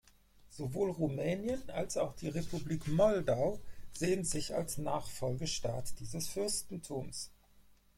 Sowohl Rumänien als auch die Republik Moldau sehen sich als Nachfolgestaat dieses Fürstentums.